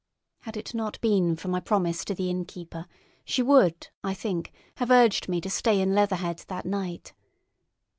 Had it not been for my promise to the innkeeper, she would, I think, have urged me to stay in Leatherhead that night.